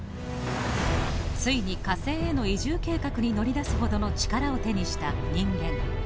ついに火星への移住計画に乗り出すほどの力を手にした人間。